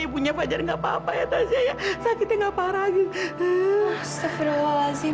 ibunya fajar nggak papa ya tasha ya sakitnya nggak parah lagi astagfirullahaladzim